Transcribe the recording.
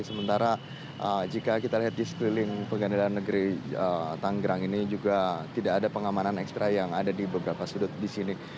sementara jika kita lihat di sekeliling pegandaan negeri tanggerang ini juga tidak ada pengamanan ekstra yang ada di beberapa sudut di sini